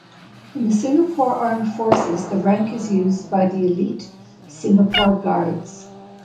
In the Singapore Armed Forces, the rank is used by the elite Singapore Guards.